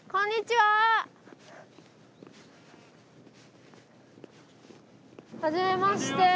はじめまして。